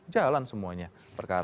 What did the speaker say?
jalan semuanya perkara